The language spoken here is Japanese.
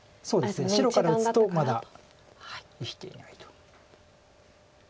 白から打つとまだ生きていないと。